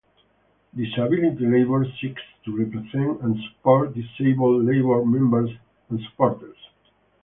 Disability Labour seeks to represent and support disabled Labour members and supporters.